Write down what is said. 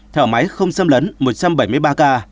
thở máy không xâm lấn một trăm bảy mươi ba ca